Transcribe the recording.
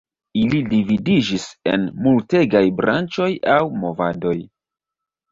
Ili dividiĝis en multegaj branĉoj aŭ movadoj.